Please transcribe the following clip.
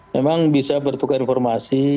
memang bisa bertukar informasi